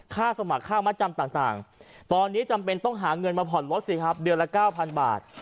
สมัครค่ามัดจำต่างตอนนี้จำเป็นต้องหาเงินมาผ่อนรถสิครับเดือนละ๙๐๐บาท